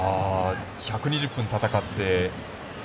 １２０分戦って。